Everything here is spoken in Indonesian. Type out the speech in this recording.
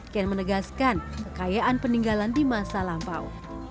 kian menegaskan kekayaan peninggalan di masa lampau